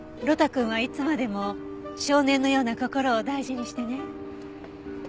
呂太くんはいつまでも少年のような心を大事にしてね。